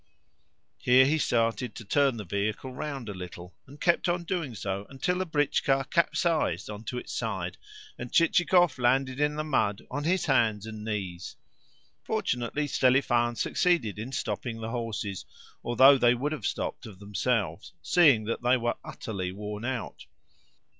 Here he started to turn the vehicle round a little and kept on doing so until the britchka capsized on to its side, and Chichikov landed in the mud on his hands and knees. Fortunately Selifan succeeded in stopping the horses, although they would have stopped of themselves, seeing that they were utterly worn out.